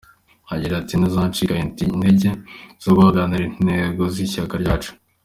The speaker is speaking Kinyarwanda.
Agira ati “Ntituzacika integer zo guharanira intego z’ishyaka ryacu.